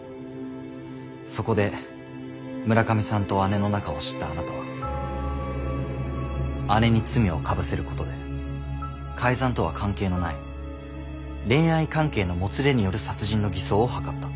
そこで村上さんと姉の仲を知ったあなたは姉に罪をかぶせることで「改ざんとは関係のない恋愛関係のもつれによる殺人」の偽装を図った。